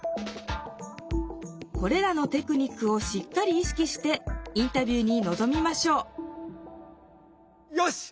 これらのテクニックをしっかりいしきしてインタビューにのぞみましょうよし！